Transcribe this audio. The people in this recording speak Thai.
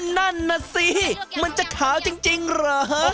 นั่นน่ะสิมันจะขาวจริงเหรอ